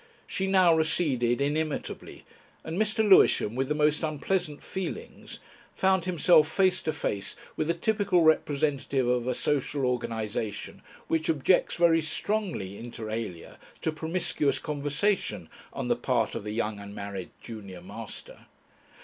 She now receded inimitably, and Mr. Lewisham, with the most unpleasant feelings, found himself face to face with a typical representative of a social organisation which objects very strongly inter alia to promiscuous conversation on the part of the young unmarried junior master.